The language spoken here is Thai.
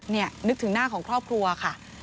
นี่นึกถึงหน้าของครอบครัวค่ะ